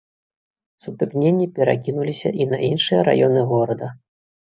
Сутыкненні перакінуліся і на іншыя раёны горада.